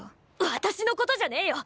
私のことじゃねよ